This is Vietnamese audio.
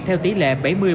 theo tỉ lệ bảy mươi ba mươi